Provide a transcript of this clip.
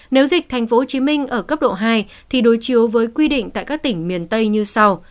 nếu dịch tp hcm ở cấp độ hai thì đối chiếu với quy định tại các tỉnh miền tây như sau